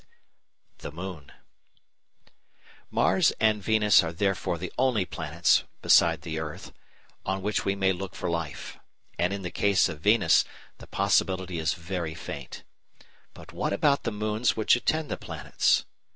THE MOON Mars and Venus are therefore the only planets, besides the earth, on which we may look for life; and in the case of Venus, the possibility is very faint. But what about the moons which attend the planets?